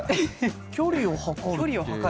距離を測る？